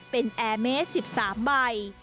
เป็นแอร์เมส๑๓ใบ